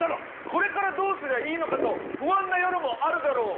「これからどうすりゃいいのかと」「不安な夜もあるだろう」